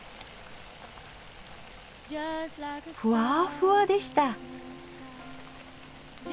ふわふわでした。